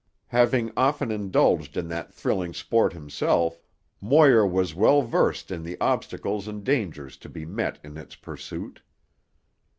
Having often indulged in that thrilling sport himself, Moir was well versed in the obstacles and dangers to be met in its pursuit.